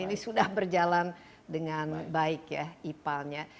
ini sudah berjalan dengan baik ya ipal nya